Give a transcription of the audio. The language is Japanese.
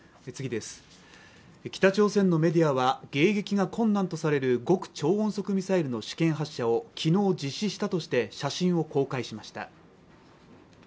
北朝鮮のメディアは迎撃が困難とされる極超音速ミサイルの試験発射をきのう実施したとして写真を公開しました